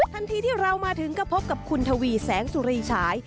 ทันทีที่เรามาถึงก็พบกับคุณทวีแสงสุรีฉาย